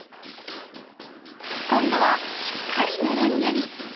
今度はしっかりメレンゲに。